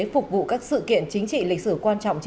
phục vụ các sự kiện chính trị lịch sử